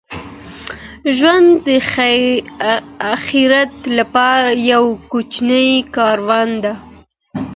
ژوند د اخیرت لپاره یوه کوچنۍ کرونده ده.